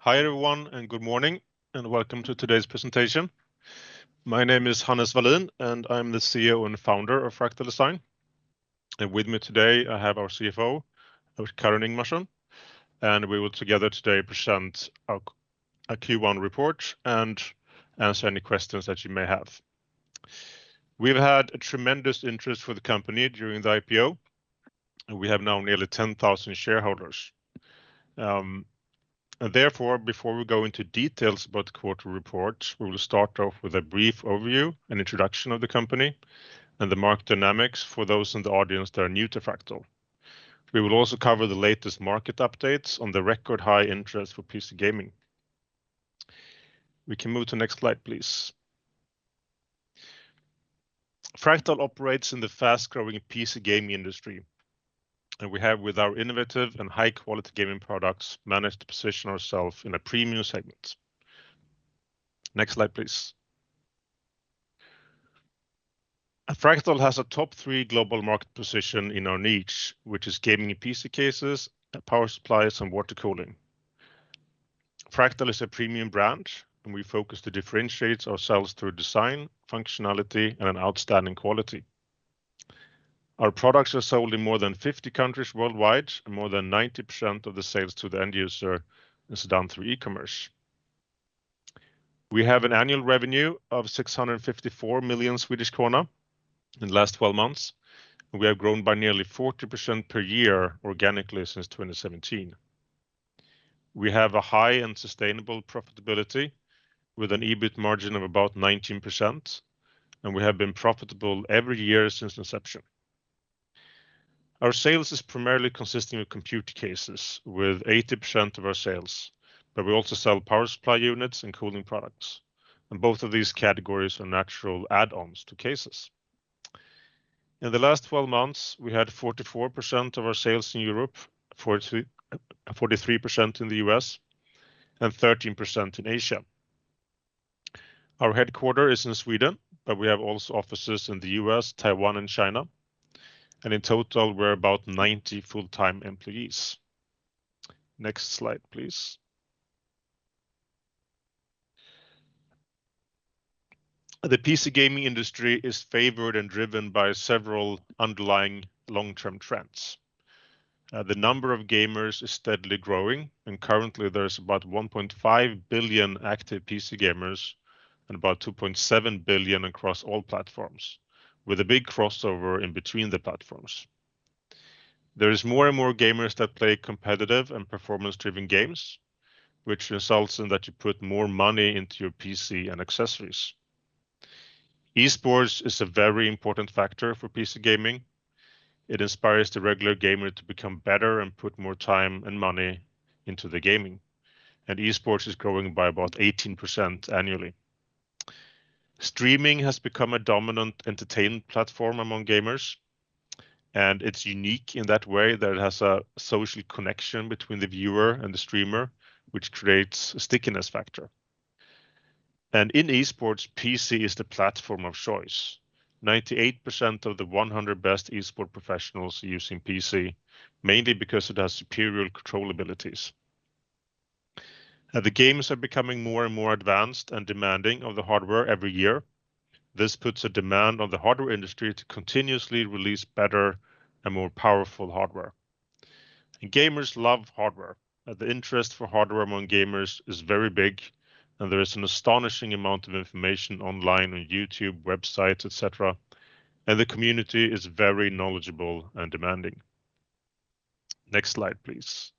Hi, everyone, and good morning, and welcome to today's presentation. My name is Hannes Wallin, and I'm the CEO and founder of Fractal Design. With me today I have our CFO, Karin Ingemarson, and we will together today present our Q1 report and answer any questions that you may have. We've had a tremendous interest for the company during the IPO, and we have now nearly 10,000 shareholders. Therefore, before we go into details about the quarterly report, we will start off with a brief overview and introduction of the company and the market dynamics for those in the audience that are new to Fractal. We will also cover the latest market updates on the record high interest for PC gaming. We can move to next slide, please. Fractal operates in the fast-growing PC gaming industry, and we have, with our innovative and high-quality gaming products, managed to position ourselves in a premium segment. Next slide, please. Fractal has a top-three global market position in our niche, which is gaming PC cases and power supplies and water cooling. Fractal is a premium brand, and we focus to differentiate ourselves through design, functionality, and outstanding quality. Our products are sold in more than 50 countries worldwide and more than 90% of the sales to the end user is done through e-commerce. We have an annual revenue of 654 million Swedish krona in the last 12 months, and we have grown by nearly 40% per year organically since 2017. We have a high and sustainable profitability with an EBIT margin of about 19%, and we have been profitable every year since inception. Our sales is primarily consisting of computer cases with 80% of our sales, but we also sell power supply units and cooling products. Both of these categories are natural add-ons to cases. In the last 12 months, we had 44% of our sales in Europe, 43% in the U.S., and 13% in Asia. Our headquarter is in Sweden, but we have also offices in the U.S., Taiwan, and China, and in total, we're about 90 full-time employees. Next slide, please. The PC gaming industry is favored and driven by several underlying long-term trends. The number of gamers is steadily growing, and currently there's about 1.5 billion active PC gamers and about 2.7 billion across all platforms, with a big crossover in between the platforms. There is more and more gamers that play competitive and performance-driven games, which results in that you put more money into your PC and accessories. Esports is a very important factor for PC gaming. It inspires the regular gamer to become better and put more time and money into the gaming. Esports is growing by about 18% annually. Streaming has become a dominant entertainment platform among gamers. It's unique in that way that it has a social connection between the viewer and the streamer, which creates a stickiness factor. In esports, PC is the platform of choice. 98% of the 100 best esports professionals are using PC, mainly because it has superior control abilities. The games are becoming more and more advanced and demanding of the hardware every year. This puts a demand on the hardware industry to continuously release better and more powerful hardware. Gamers love hardware. The interest for hardware among gamers is very big, and there is an astonishing amount of information online, on YouTube, websites, etc., and the community is very knowledgeable and demanding. Next slide, please.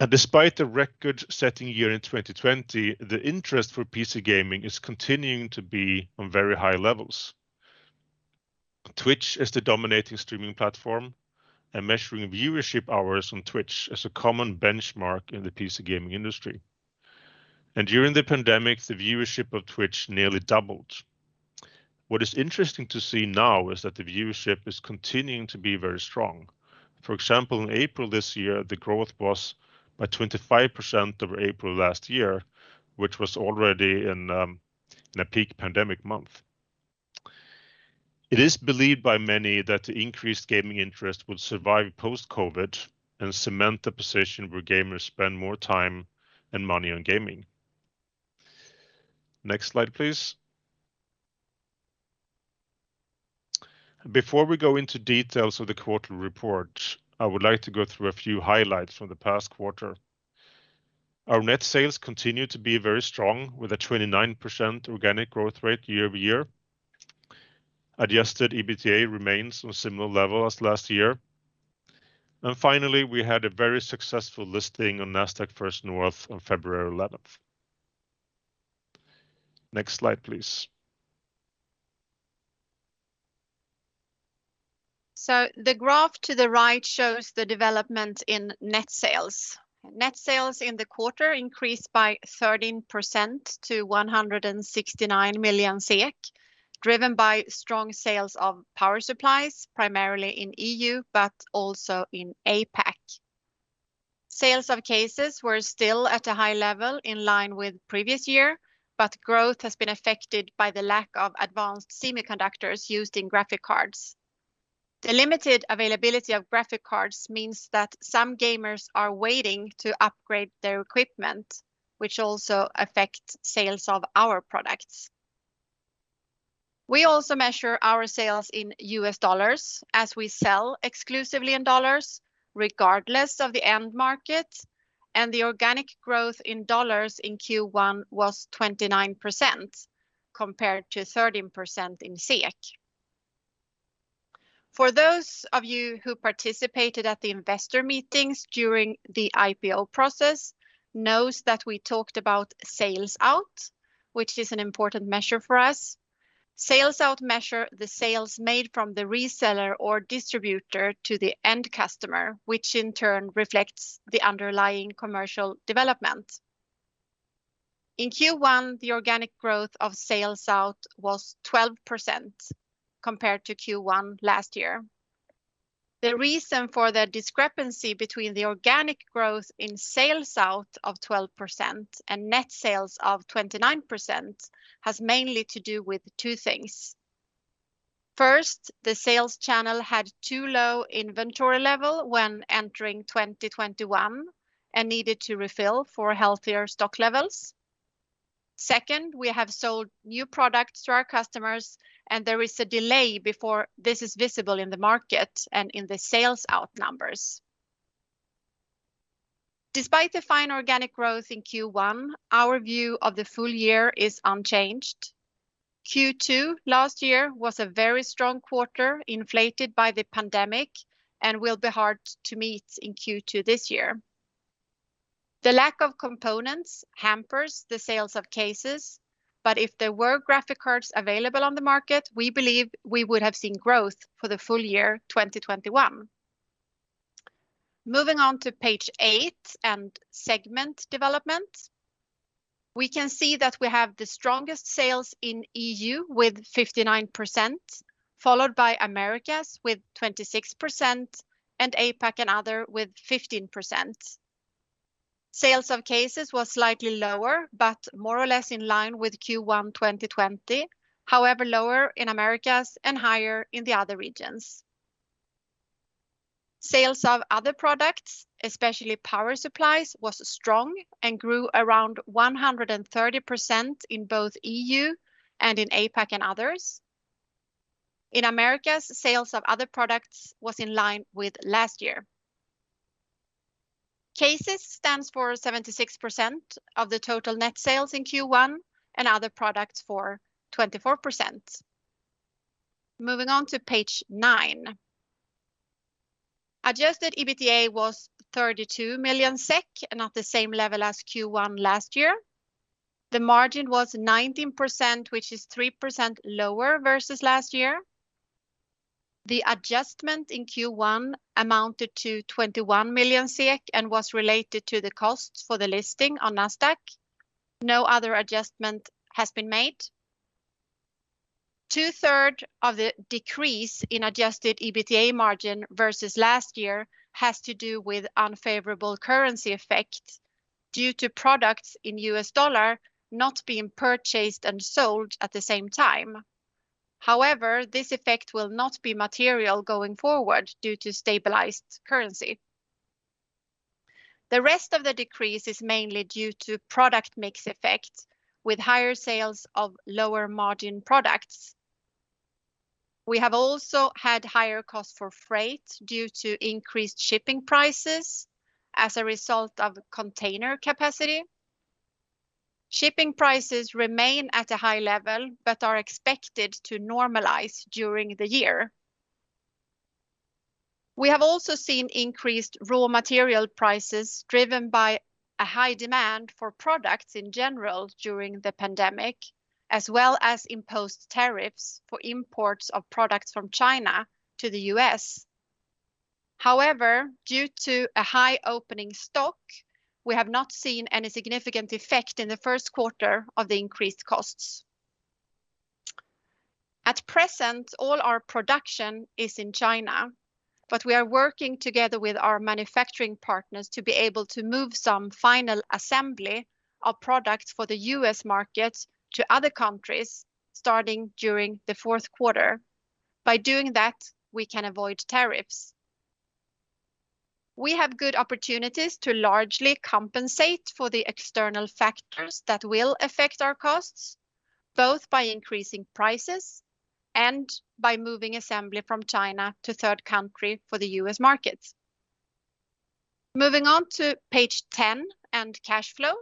Despite a record-setting year in 2020, the interest for PC gaming is continuing to be on very high levels. Twitch is the dominating streaming platform, and measuring viewership hours on Twitch is a common benchmark in the PC gaming industry. During the pandemic, the viewership of Twitch nearly doubled. What is interesting to see now is that the viewership is continuing to be very strong. For example, in April this year, the growth was by 25% of April last year, which was already in a peak pandemic month. It is believed by many that the increased gaming interest will survive post-COVID and cement the position where gamers spend more time and money on gaming. Next slide, please. Before we go into details of the quarterly report, I would like to go through a few highlights from the past quarter. Our net sales continue to be very strong, with a 29% organic growth rate year-over-year. Adjusted EBITDA remains on a similar level as last year. Finally, we had a very successful listing on Nasdaq First North on February 11th. Next slide, please. The graph to the right shows the development in net sales. Net sales in the quarter increased by 13% to 169 million SEK, driven by strong sales of power supplies, primarily in EU, but also in APAC. Sales of cases were still at a high level in line with the previous year, growth has been affected by the lack of advanced semiconductors used in graphic cards. The limited availability of graphic cards means that some gamers are waiting to upgrade their equipment, which also affects sales of our products. We also measure our sales in U.S. Dollars as we sell exclusively in dollars regardless of the end market, the organic growth in dollars in Q1 was 29% compared to 13% in SEK. For those of you who participated at the investor meetings during the IPO process know that we talked about sales out, which is an important measure for us. Sales out measure the sales made from the reseller or distributor to the end customer, which in turn reflects the underlying commercial development. In Q1, the organic growth of sales out was 12% compared to Q1 last year. The reason for the discrepancy between the organic growth in sales out of 12% and net sales of 29% has mainly to do with two things. First, the sales channel had too low inventory level when entering 2021 and needed to refill for healthier stock levels. Second, we have sold new products to our customers, and there is a delay before this is visible in the market and in the sales out numbers. Despite the fine organic growth in Q1, our view of the full year is unchanged. Q2 last year was a very strong quarter inflated by the pandemic and will be hard to meet in Q2 this year. The lack of components hampers the sales of cases, but if there were graphic cards available on the market, we believe we would have seen growth for the full year 2021. Moving on to page eight and segment development. We can see that we have the strongest sales in EU with 59%, followed by Americas with 26%, and APAC and Other with 15%. Sales of cases was slightly lower, but more or less in line with Q1 2020, however, lower in Americas and higher in the other regions. Sales of other products, especially power supplies, was strong and grew around 130% in both EU and in APAC and Others. In Americas, sales of other products was in line with last year. Cases stands for 76% of the total net sales in Q1 and other products for 24%. Moving on to page nine. Adjusted EBITDA was 32 million SEK and at the same level as Q1 last year. The margin was 19%, which is 3% lower versus last year. The adjustment in Q1 amounted to 21 million and was related to the cost for the listing on Nasdaq. No other adjustment has been made, 2/3 of the decrease in adjusted EBITDA margin versus last year has to do with unfavorable currency effects due to products in U.S. dollar not being purchased and sold at the same time. However, this effect will not be material going forward due to stabilized currency. The rest of the decrease is mainly due to product mix effects with higher sales of lower-margin products. We have also had higher cost for freight due to increased shipping prices as a result of container capacity. Shipping prices remain at a high level, but are expected to normalize during the year. We have also seen increased raw material prices driven by a high demand for products in general during the pandemic, as well as imposed tariffs for imports of products from China to the U.S. However, due to a high opening stock, we have not seen any significant effect in the first quarter of the increased costs. At present, all our production is in China, but we are working together with our manufacturing partners to be able to move some final assembly of products for the U.S. market to other countries starting during the fourth quarter. By doing that, we can avoid tariffs. We have good opportunities to largely compensate for the external factors that will affect our costs, both by increasing prices and by moving assembly from China to third country for the U.S. market. Moving on to page 10 and cash flow.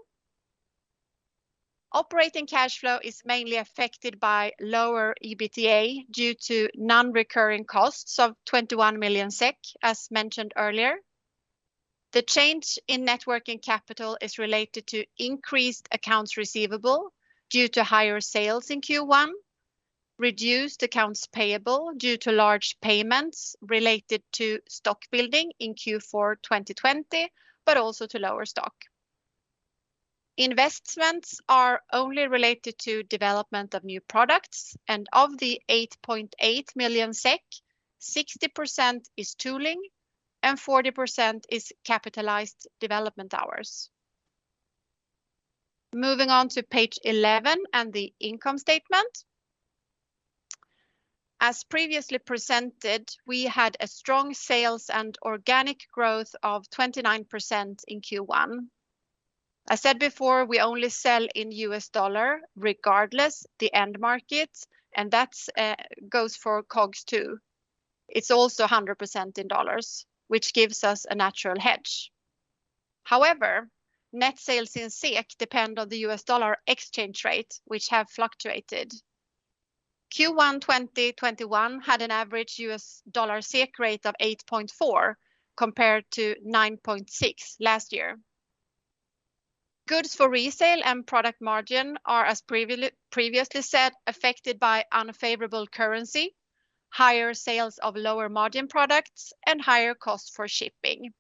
Operating cash flow is mainly affected by lower EBITDA due to non-recurring costs of 21 million SEK, as mentioned earlier. The change in net working capital is related to increased accounts receivable due to higher sales in Q1, reduced accounts payable due to large payments related to stock building in Q4 2020, but also to lower stock. Investments are only related to development of new products, and of the 8.8 million SEK, 60% is tooling and 40% is capitalized development hours. Moving on to page 11 and the income statement. As previously presented, we had strong sales and organic growth of 29% in Q1. I said before, we only sell in U.S. dollars regardless the end market. That goes for COGS, too. It's also 100% in U.S. dollars, which gives us a natural hedge. However, net sales in SEK depend on the U.S. dollar exchange rate, which have fluctuated. Q1 2021 had an average U.S. dollar SEK rate of 8.4 compared to 9.6 last year. Goods for resale and product margin are, as previously said, affected by unfavorable currency, higher sales of lower-margin products, and higher costs for shipping.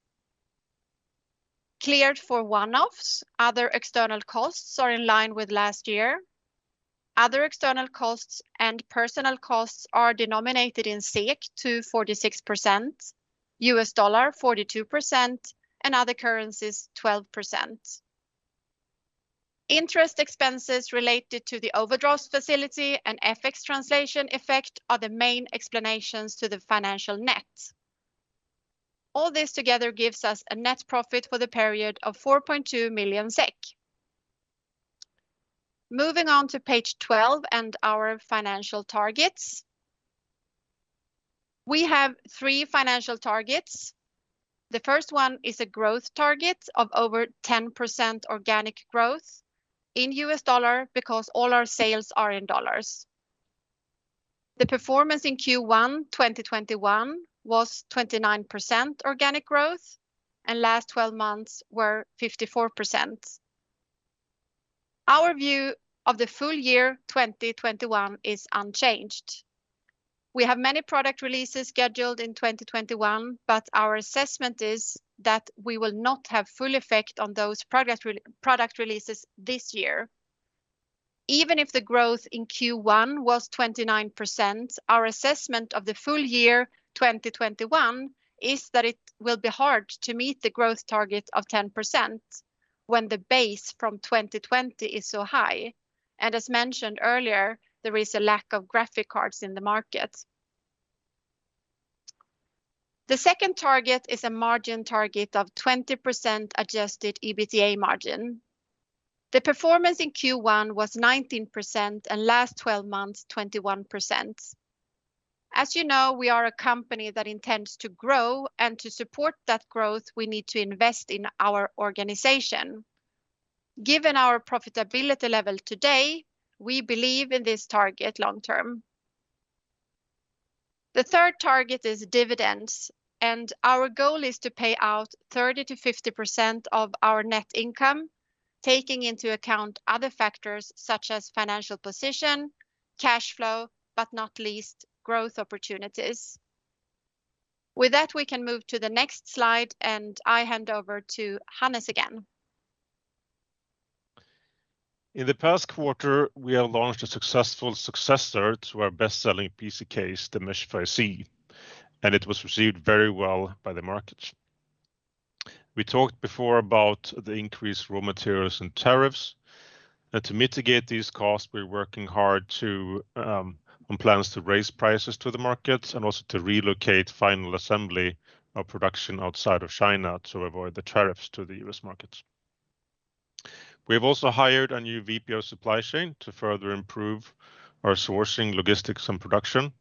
Cleared for one-offs, other external costs are in line with last year. Other external costs and personnel costs are denominated in SEK to 46%, U.S. dollar 42%, and other currencies 12%. Interest expenses related to the overdraft facility and FX translation effect are the main explanations to the financial net. All this together gives us a net profit for the period of 4.2 million SEK. Moving on to page 12 and our financial targets. We have three financial targets. The first one is a growth target of over 10% organic growth in U.S. Dollar because all our sales are in dollars. The performance in Q1 2021 was 29% organic growth, and last 12 months were 54%. Our view of the full year 2021 is unchanged. We have many product releases scheduled in 2021, but our assessment is that we will not have full effect on those product releases this year. Even if the growth in Q1 was 29%, our assessment of the full year 2021 is that it will be hard to meet the growth target of 10% when the base from 2020 is so high. As mentioned earlier, there is a lack of graphic cards in the market. The second target is a margin target of 20% adjusted EBITDA margin. The performance in Q1 was 19%, and last 12 months, 21%. As you know, we are a company that intends to grow, and to support that growth, we need to invest in our organization. Given our profitability level today, we believe in this target long term. The third target is dividends, and our goal is to pay out 30% to 50% of our net income, taking into account other factors such as financial position, cash flow, but not least, growth opportunities. With that, we can move to the next slide, and I hand over to Hannes again. In the past quarter, we have launched a successful successor to our best-selling PC case, the Meshify C, and it was received very well by the market. We talked before about the increased raw materials and tariffs. To mitigate these costs, we're working hard on plans to raise prices to the markets and also to relocate final assembly of production outside of China to avoid the tariffs to the U.S. markets. We've also hired a new VP of supply chain to further improve our sourcing, logistics, and production.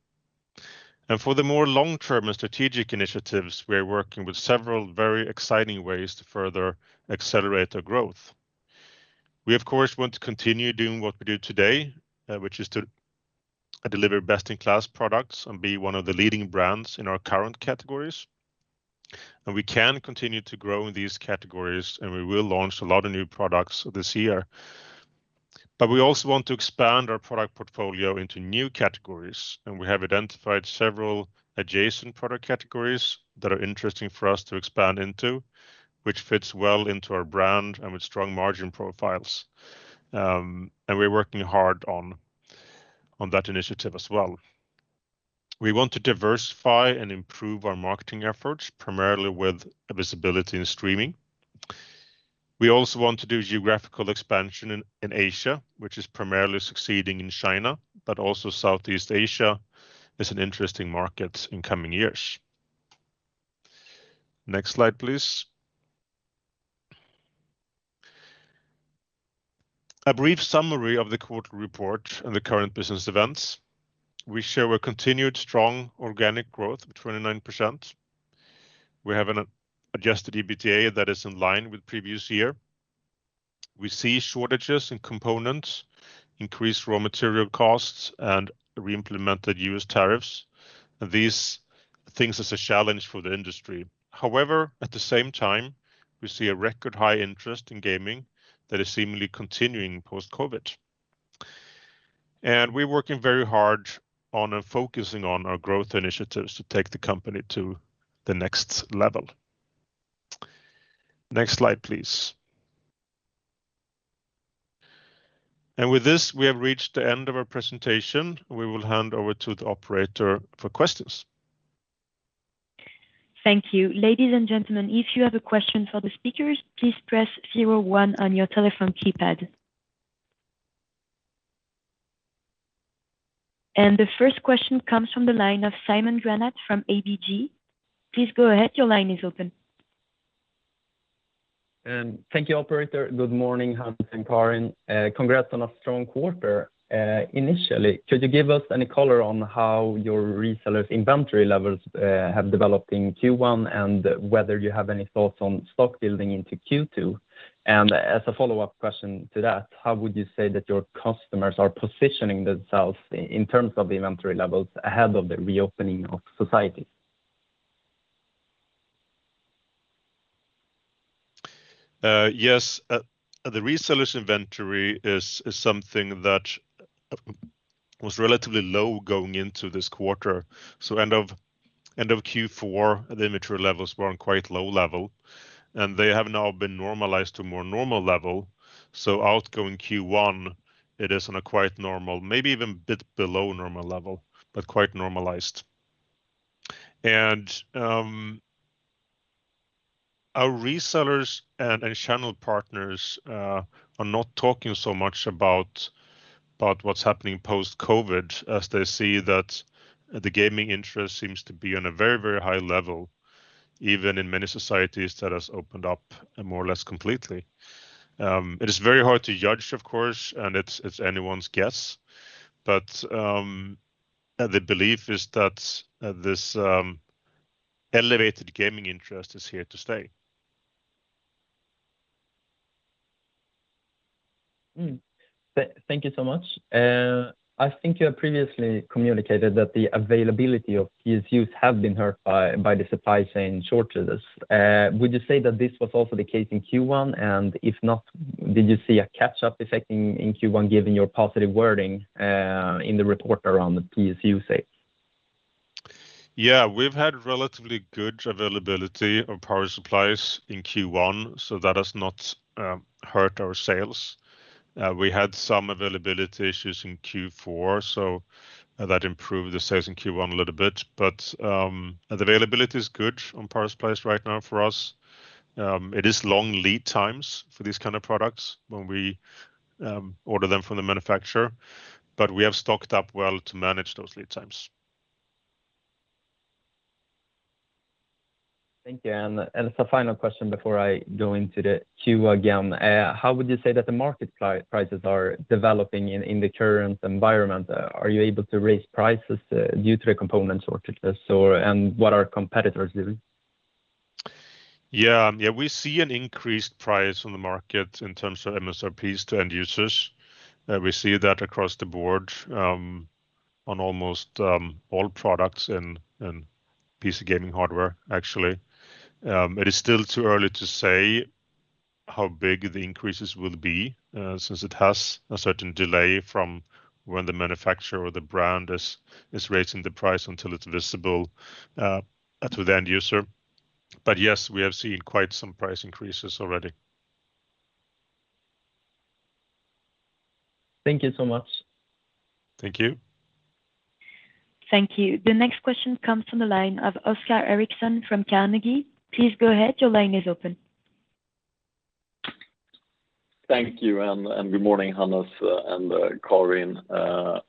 For the more long-term and strategic initiatives, we are working with several very exciting ways to further accelerate our growth. We, of course, want to continue doing what we do today, which is to deliver best-in-class products and be one of the leading brands in our current categories. We can continue to grow in these categories, and we will launch a lot of new products this year. We also want to expand our product portfolio into new categories, and we have identified several adjacent product categories that are interesting for us to expand into, which fits well into our brand and with strong margin profiles. We are working hard on that initiative as well. We want to diversify and improve our marketing efforts, primarily with visibility and streaming. We also want to do geographical expansion in Asia, which is primarily succeeding in China, but also Southeast Asia is an interesting market in coming years. Next slide, please. A brief summary of the quarter report and the current business events. We show a continued strong organic growth of 29%. We have an adjusted EBITDA that is in line with previous year. We see shortages in components, increased raw material costs, and reimplemented U.S. tariffs. These things is a challenge for the industry. At the same time, we see a record high interest in gaming that is seemingly continuing post-COVID. We're working very hard on and focusing on our growth initiatives to take the company to the next level. Next slide, please. With this, we have reached the end of our presentation. We will hand over to the operator for questions. Thank you. Ladies and gentlemen if you have a question for the speakers please press zero one on your telephone keypad. The first question comes from the line of Simon Granath from ABG. Thank you, operator. Good morning, Hannes and Karin. Congrats on a strong quarter. Initially, could you give us any color on how your resellers' inventory levels have developed in Q1, and whether you have any thoughts on stock building into Q2? As a follow-up question to that, how would you say that your customers are positioning themselves in terms of inventory levels ahead of the reopening of society? Yes, the resellers inventory is something that was relatively low going into this quarter. End of Q4, the inventory levels were on quite low level, and they have now been normalized to a more normal level. Outgoing Q1, it is in a quite normal, maybe even bit below normal level, but quite normalized. Our resellers and channel partners are not talking so much about what's happening post-COVID, as they see that the gaming interest seems to be on a very high level, even in many societies that have opened up more or less completely. It is very hard to judge, of course, and it's anyone's guess. The belief is that this elevated gaming interest is here to stay. Thank you so much. I think you have previously communicated that the availability of PSUs have been hurt by the supply chain shortages. Would you say that this was also the case in Q1? If not, did you see a catch-up effect in Q1, given your positive wording in the report around the PSU sales? We've had relatively good availability of power supplies in Q1, so that has not hurt our sales. We had some availability issues in Q4, so that improved the sales in Q1 a little bit. Availability is good on power supplies right now for us. It is long lead times for these kind of products when we order them from the manufacturer, but we have stocked up well to manage those lead times. Thank you. As the final question before I go into the queue again, how would you say that the market prices are developing in the current environment? Are you able to raise prices due to the component shortages, and what are competitors doing? Yeah. We see an increased price on the market in terms of MSRPs to end users. We see that across the board on almost all products and PC gaming hardware, actually. It is still too early to say how big the increases will be, since it has a certain delay from when the manufacturer or the brand is raising the price until it's visible to the end user. Yes, we have seen quite some price increases already. Thank you so much. Thank you. Thank you. The next question comes from the line of Oskar Erixon from Carnegie. Please go ahead. Your line is open. Thank you. Good morning, Hannes and Karin. A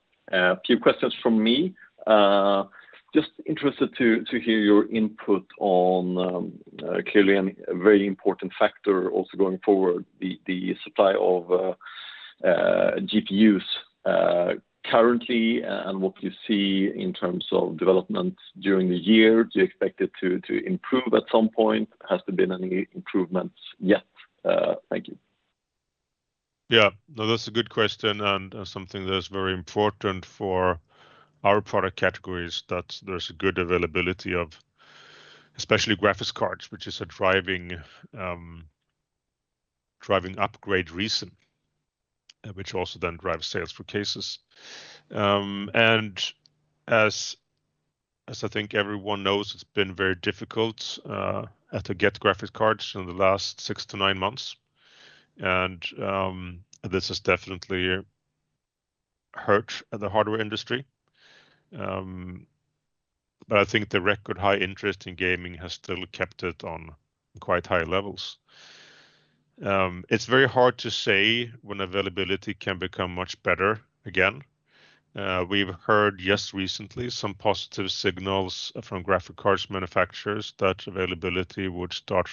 few questions from me. Just interested to hear your input on clearly a very important factor also going forward, the supply of GPUs currently and what you see in terms of development during the year. Do you expect it to improve at some point? Has there been any improvements yet? Thank you. Yeah. No, that's a good question, and something that's very important for our product categories, that there's a good availability of especially graphics cards, which is a driving upgrade reason, which also then drives sales for cases. As I think everyone knows, it's been very difficult to get graphic cards in the last six to nine months, and this has definitely hurt the hardware industry. I think the record high interest in gaming has still kept it on quite high levels. It's very hard to say when availability can become much better again. We've heard just recently some positive signals from graphic cards manufacturers that availability would start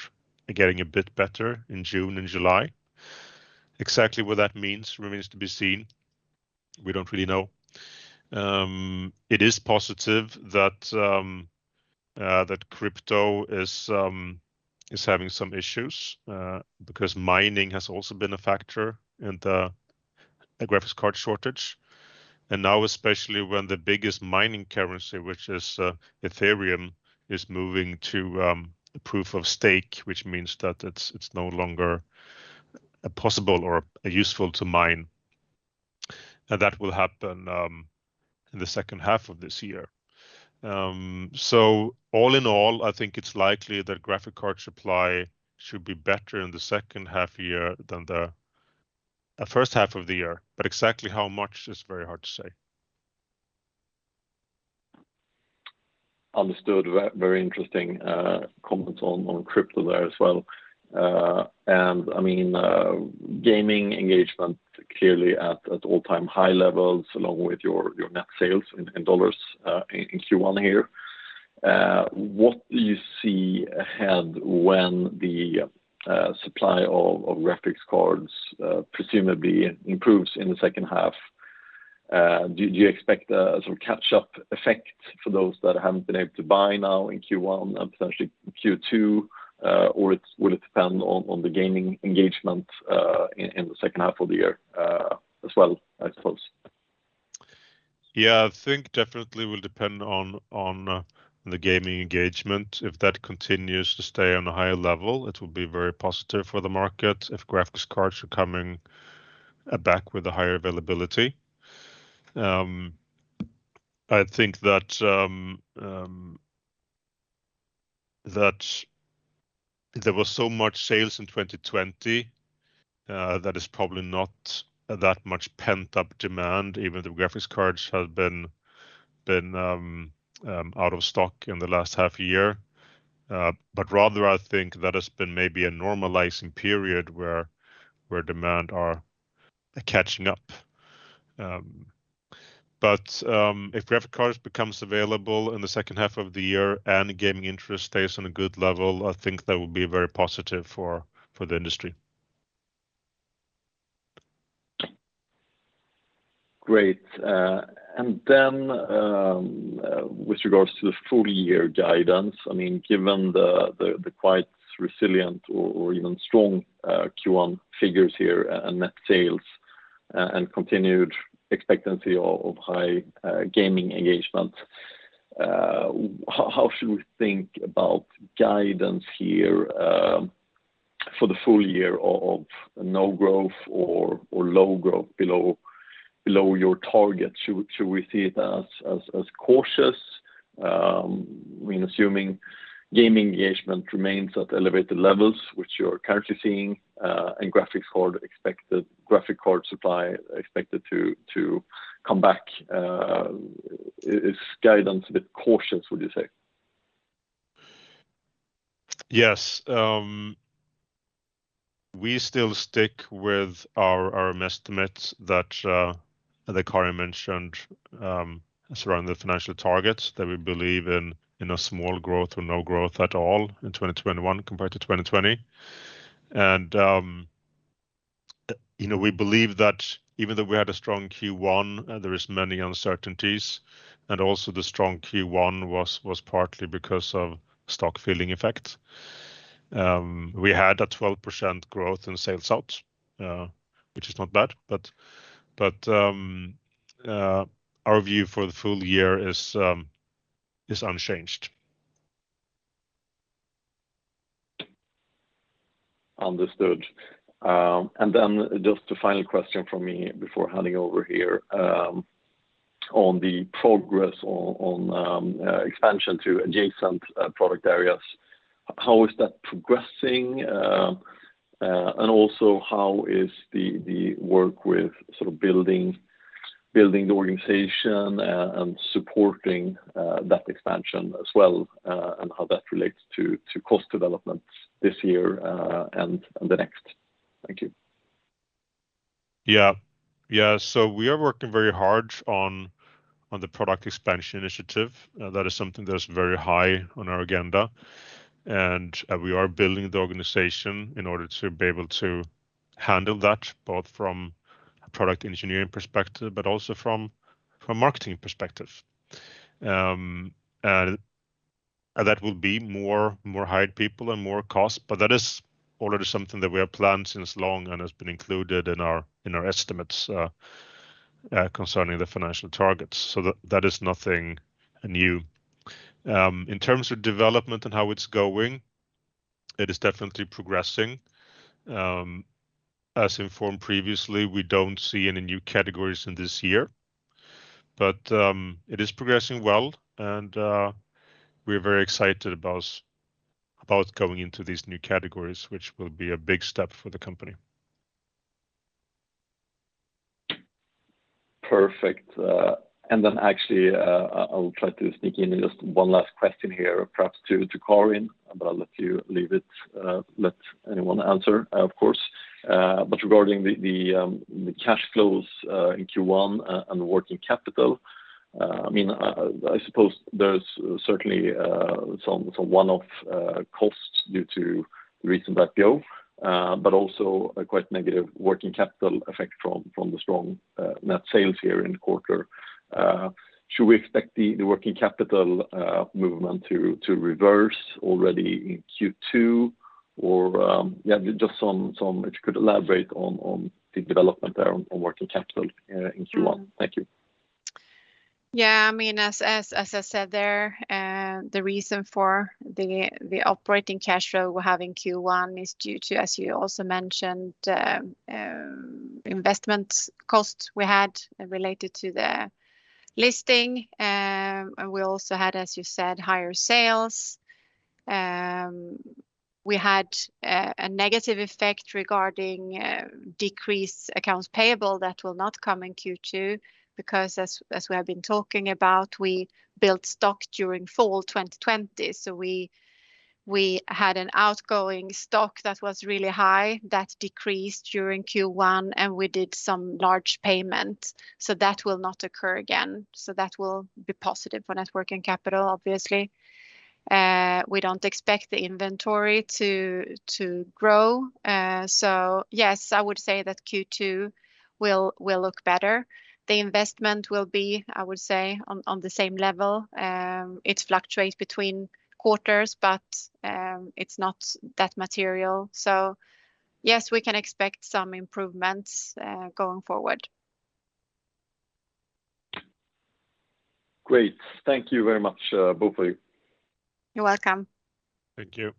getting a bit better in June and July. Exactly what that means remains to be seen. We don't really know. It is positive that crypto is having some issues, because mining has also been a factor in the graphics card shortage. Now, especially when the biggest mining currency, which is Ethereum, is moving to proof of stake, which means that it's no longer possible or useful to mine. That will happen in the second half of this year. All in all, I think it's likely that graphic card supply should be better in the second half year than the first half of the year. Exactly how much is very hard to say. Understood. Very interesting comments on crypto there as well. Gaming engagement clearly at all-time high levels along with your net sales in dollars in Q1 here. What do you see ahead when the supply of graphics cards presumably improves in the second half? Do you expect a sort of catch-up effect for those that haven't been able to buy now in Q1 and potentially Q2, or would it depend on the gaming engagement in the second half of the year as well, I suppose? Yeah, I think definitely will depend on the gaming engagement. If that continues to stay on a high level, it will be very positive for the market if graphics cards are coming back with a higher availability. I think that there was so much sales in 2020 that is probably not that much pent-up demand, even though graphics cards have been out of stock in the last half a year. Rather, I think that has been maybe a normalizing period where demand are catching up. If graphics cards becomes available in the second half of the year and gaming interest stays on a good level, I think that will be very positive for the industry. Great. With regards to the full-year guidance, given the quite resilient or even strong Q1 figures here and net sales and continued expectancy of high gaming engagement, how should we think about guidance here for the full year of no growth or low growth below your target? Should we see it as cautious? Assuming gaming engagement remains at elevated levels, which you're currently seeing, and graphic card supply expected to come back, is guidance a bit cautious, would you say? Yes. We still stick with our estimates that Karin mentioned surrounding the financial targets that we believe in a small growth or no growth at all in 2021 compared to 2020. We believe that even though we had a strong Q1, there is many uncertainties, and also the strong Q1 was partly because of stock-filling effect. We had a 12% growth in sales out, which is not bad, but our view for the full year is unchanged. Understood. Then just a final question from me before handing over here on the progress on expansion to adjacent product areas. How is that progressing? Also, how is the work with sort of building the organization and supporting that expansion as well, and how that relates to cost development this year and the next? Thank you. We are working very hard on the product expansion initiative. That is something that's very high on our agenda, and we are building the organization in order to be able to handle that, both from a product engineering perspective, but also from a marketing perspective. That will be more hired people and more cost, but that is already something that we have planned since long and has been included in our estimates concerning the financial targets. That is nothing new. In terms of development and how it's going, it is definitely progressing. As informed previously, we don't see any new categories in this year, but it is progressing well, and we're very excited about going into these new categories, which will be a big step for the company. Perfect. Then actually, I will try to sneak in just one last question here, perhaps to Karin, I'll let you leave it, let anyone answer, of course. Regarding the cash flows in Q1 and working capital, I suppose there's certainly some one-off costs due to the recent IPO, but also a quite negative working capital effect from the strong net sales here in the quarter. Should we expect the working capital movement to reverse already in Q2? Yeah, just if you could elaborate on the development there on working capital in Q1. Thank you. Yeah, as I said there, the reason for the operating cash flow we have in Q1 is due to, as you also mentioned, investment costs we had related to the listing. We also had, as you said, higher sales. We had a negative effect regarding decreased accounts payable that will not come in Q2 because as we have been talking about, we built stock during fall 2020. We had an outgoing stock that was really high, that decreased during Q1, and we did some large payment. That will not occur again. That will be positive for net working capital, obviously. We don't expect the inventory to grow. Yes, I would say that Q2 will look better. The investment will be, I would say, on the same level. It fluctuates between quarters, but it's not that material. Yes, we can expect some improvements going forward. Great. Thank you very much, both of you. You're welcome. Thank you.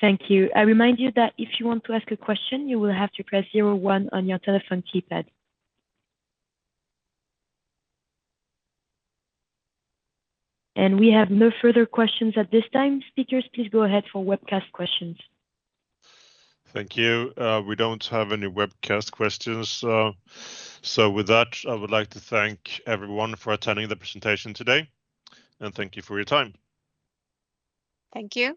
Thank you. I remind you that if you want to ask a question, you will have to press zero one on your telephone keypad. We have no further questions at this time. Speakers, please go ahead for webcast questions. Thank you. We don't have any webcast questions. With that, I would like to thank everyone for attending the presentation today, and thank you for your time. Thank you.